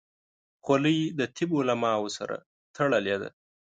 خولۍ د طب علماو سره تړلې ده.